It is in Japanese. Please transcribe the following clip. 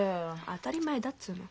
当たり前だっつうの。